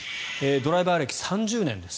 ドライバー歴３０年です。